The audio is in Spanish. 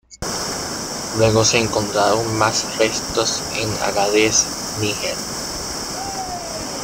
Luego se encontraron más restos en Agadez, Níger.